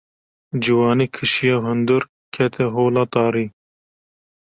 Ciwanî kişiya hundir, kete hola tarî.